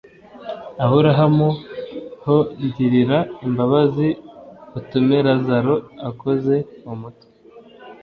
Aburahamu h ngirira imbabazi utume Lazaro akoze umutwe